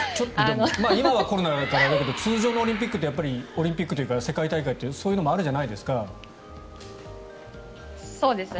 今はコロナだからあれだけど通常のオリンピックというか世界大会って、そういうのもあるじゃないですか。